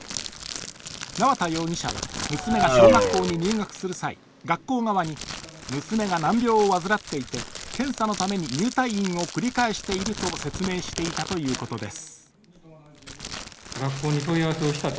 縄田容疑者は娘が小学校に入学する際、学校側に、娘が難病を患っていて検査のために入退院を繰り返していると説明していたということです。